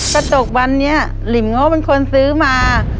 กระจกบานนี้ลิมโง่เป็นคนซื้อมา